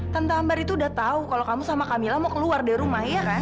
tentambar itu udah tau kalau kamu sama kamila mau keluar dari rumah ya kan